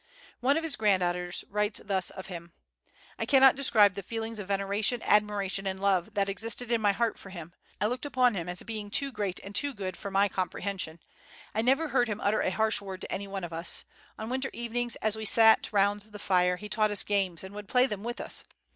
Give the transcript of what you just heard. One of his granddaughters thus writes of him: "I cannot describe the feelings of veneration, admiration, and love that existed in my heart for him. I looked upon him as a being too great and good for my comprehension. I never heard him utter a harsh word to any one of us. On winter evenings, as we all sat round the fire, he taught us games, and would play them with us.